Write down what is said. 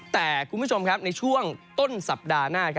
แต่คุณผู้ชมในช่วงต้นสัปดาห์หน้า